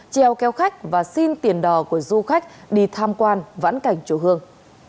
treo kéo khách và xin tiền đò của du khách đi tham quan vãn cảnh chùa hương